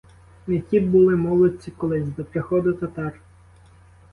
Не ті були молодці колись, до приходу татар.